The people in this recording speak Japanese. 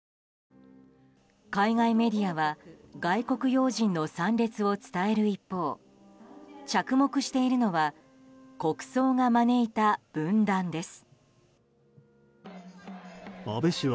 海外メディアは外国要人の参列を伝える一方着目しているのは国葬が招いた分断です。